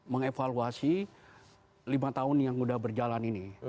mengevaluasi lima tahun yang sudah berjalan ini